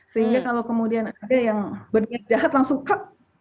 sehingga kalau kemudian ada yang berpikir jahat langsung kek